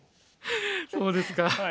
そうですか。